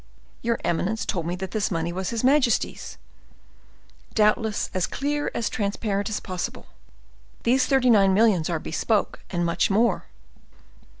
"Your eminence told me that this money was his majesty's." "Doubtless, as clear, as transparent as possible. These thirty nine millions are bespoken, and much more."